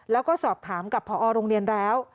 แล้วก็สอบถามกับพอโรงเรียนแล้ว